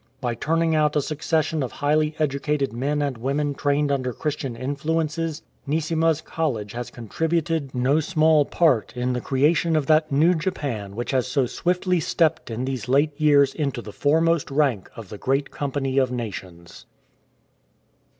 By turning out a succession of highly educated men and women trained under Christian influences, Neesima's college has contributed no small 6o THE "DOSHISHA" part in the creation of that New Japan which has so swiftly stepped in these late years into the foremost rank of the great company of nations.